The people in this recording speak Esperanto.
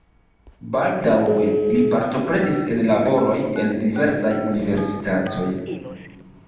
Baldaŭe li partoprenis en laboroj en diversaj universitatoj.